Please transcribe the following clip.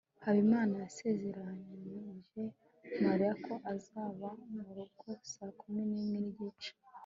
habimana yasezeranyije mariya ko azaba mu rugo saa kumi nimwe nigice